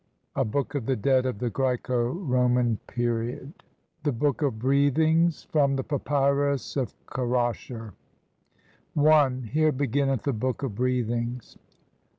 A BOOK OF THE DEAD OF THE GRAECO ROMAN PERIOD. THE BOOK OF BREATHINGS. [From the Papyrus of Kerasher (Brit. Mus. No. 9,995, sheet 2).] I. Here beginneth the Book of Breathings.